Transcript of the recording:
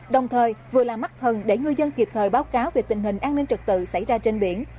đồng thời vừa là mắt thần để ngư dân kịp thời báo cáo về tình hình an ninh trật tự xảy ra trên biển